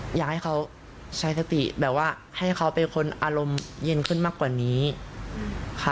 อยากให้เขาใช้สติแบบว่าให้เขาเป็นคนอารมณ์เย็นขึ้นมากกว่านี้ค่ะ